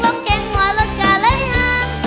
รถแข่งหัวรถกะเลยหัง